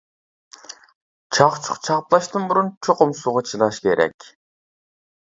چاقچۇق چاپلاشتىن بۇرۇن چوقۇم سۇغا چىلاش كېرەك.